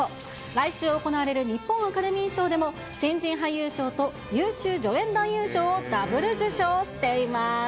来週行われる日本アカデミー賞でも、新人俳優賞と優秀助演男優賞をダブル受賞しています。